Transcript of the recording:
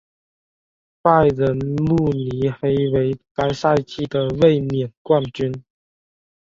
拜仁慕尼黑为该赛季的卫冕冠军。